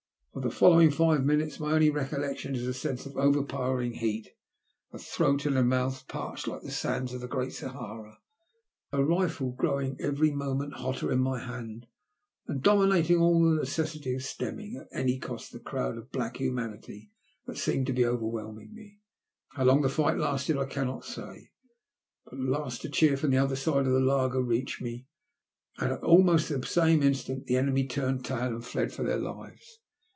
Of the following five mmutes my only recollection is a sense of overpowering heat; a throat and mouth parched like the sands of the Great Sahara ; a rifle growing every moment hotter in my hand, aiad domi nating all the necessity of stemming, at any cost, the crowd of black humanily that seemed to be over whelming me. Uow long the fight lasted I cannot say. But at last a cheer from the other side of the laager reached me, and almost at the same instant the enemy turned tail and fled for their lives.